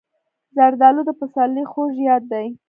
زردالو د پسرلي خوږ یاد دی.